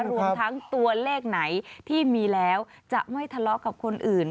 รวมทั้งตัวเลขไหนที่มีแล้วจะไม่ทะเลาะกับคนอื่น